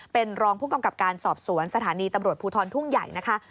เป็นรองผู้กำกับการสอบสวนสถานีตำรวจภูทรทุ่งใหญ่นะคะ